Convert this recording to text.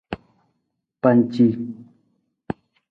Panci.